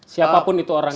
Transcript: siapapun itu orangnya